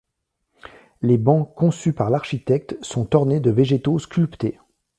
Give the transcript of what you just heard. Les bancs conçus par l'architecte sont ornés de végétaux sculptés.